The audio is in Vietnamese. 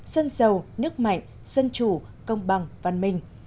dân giàu nước mạnh dân chủ công bằng văn minh